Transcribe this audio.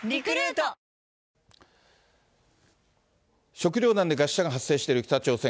食糧難で餓死者が発生している北朝鮮。